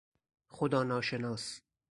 خدا ناشناس